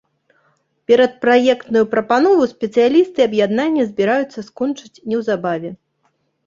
Перадпраектную прапанову спецыялісты аб'яднання збіраюцца скончыць неўзабаве.